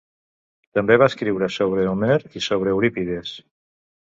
També va escriure sobre Homer i sobre Eurípides.